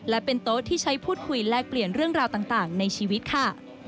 และเป็นโต๊ะที่ใช้พูดคุยแลกเปลี่ยนเรื่องราวต่างในชีวิตค่ะ